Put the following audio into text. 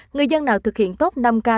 người dân nào thực hiện tốt năm ca